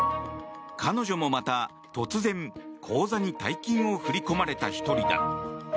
彼女もまた突然、口座に大金を振り込まれた１人だ。